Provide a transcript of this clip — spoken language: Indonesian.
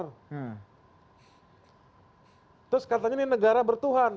terus katanya ini negara bertuhan